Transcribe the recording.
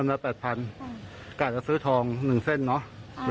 มีกันมากกันสองคนเนาะ